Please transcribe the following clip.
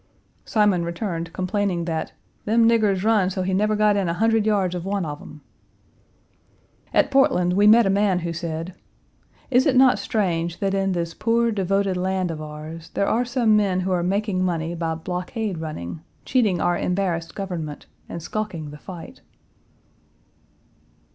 Simon returned, complaining that "them niggers run so he never got in a hundred yards of one of them." At Portland, we met a man who said: "Is it not strange that in this poor, devoted land of ours, there are some men who are making money by blockade running, cheating our embarrassed government, and skulking the fight?"